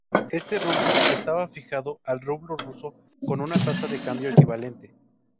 Este rublo estaba fijado al rublo ruso con una tasa de cambio equivalente.